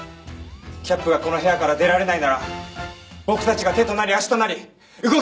キャップがこの部屋から出られないなら僕たちが手となり足となり動きます！